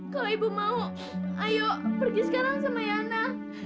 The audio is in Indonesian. kalau ibu mau ayo pergi sekarang sama yana